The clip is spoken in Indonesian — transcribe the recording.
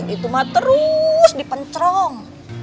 itu ma terus dipencerong